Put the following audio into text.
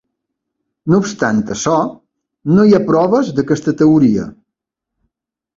No obstant això, no hi ha proves d'aquesta teoria.